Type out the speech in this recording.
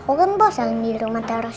aku kan bosan tidur rumah terus